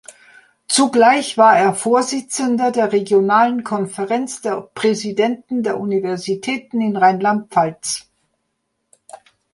Zugleich war er Vorsitzender der Regionalen Konferenz der Präsidenten der Universitäten in Rheinland-Pfalz.